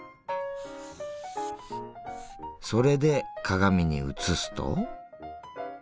それで鏡に映すと。